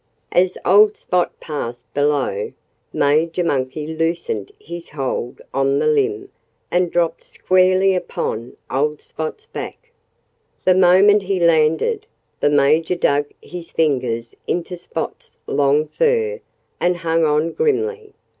As old Spot passed below him, Major Monkey loosened his hold on the limb and dropped squarely upon old Spot's back. The moment he landed, the Major dug his fingers into Spot's long fur and hung on grimly.